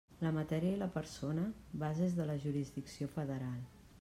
La matèria i la persona, bases de la jurisdicció federal.